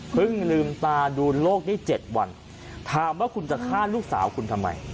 เพิ่งลืมตาดูโรคนี้เจ็ดวันถามว่าคุณจะฆ่าลูกสาวคุณทำไม